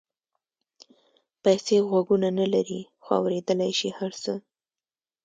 پیسې غوږونه نه لري خو اورېدلای شي هر څه.